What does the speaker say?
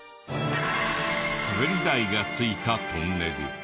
スベリ台がついたトンネル。